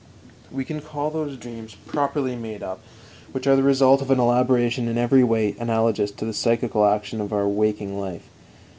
We can call those dreams properly made up which are the result of an elaboration in every way analogous to the psychical action of our waking life.